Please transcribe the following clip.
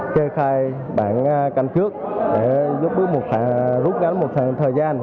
kê khai bảng căn cứ để giúp bước rút ngắn một thời gian